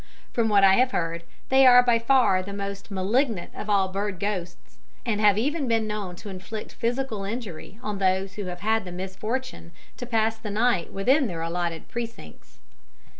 From what I have heard they are by far the most malignant of all bird ghosts, and have even been known to inflict physical injury on those who have had the misfortune to pass the night within their allotted precincts.